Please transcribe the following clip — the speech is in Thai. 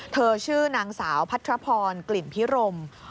ชื่อนางสาวพัทรพรกลิ่นพิรม